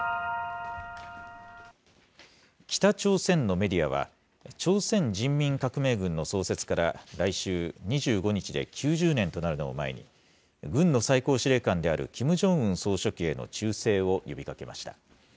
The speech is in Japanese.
北朝鮮のメディアは、朝鮮人民革命軍の創設から、来週２５日で９０年となるのを前に、軍の最高司令官であるキム・ジョンウン総書記への忠誠を呼びかけました。